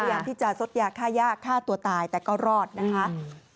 พยายามที่จะซดยาฆ่าย่าฆ่าตัวตายแต่ก็รอดนะคะ